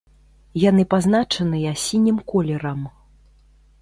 Яны пазначаныя сінім колерам.